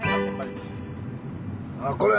ああこれ。